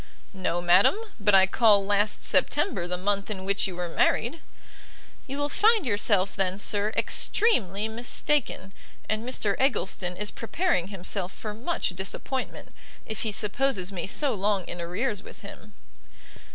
"No, madam; but I call last September the month in which you were married." "You will find yourself, then, sir, extremely mistaken; and Mr Eggleston is preparing himself for much disappointment, if he supposes me so long in arrears with him."